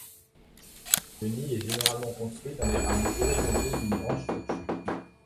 Le nid est généralement construit dans les rameaux horizontaux d’une branche fourchue.